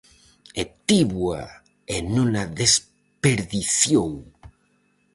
E tívoa e non a desperdiciou.